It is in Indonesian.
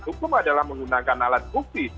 hukum adalah menggunakan alat bukti